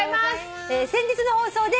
「先日の放送で」